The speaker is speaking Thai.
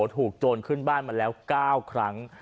โจรขึ้นบ้านมาแล้ว๙ครั้ง